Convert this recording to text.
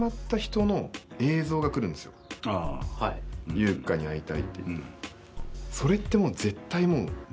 悠香に会いたいっていって。